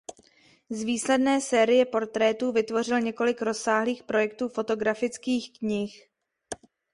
Z výsledné série portrétů vytvořil několik rozsáhlých projektů fotografických knih.